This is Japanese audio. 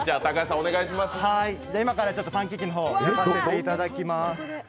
今からパンケーキの方を焼かせていただきます。